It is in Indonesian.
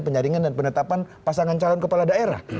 penyaringan dan penetapan pasangan calon kepala daerah